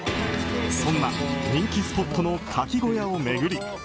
そんな人気スポットのかき小屋を巡り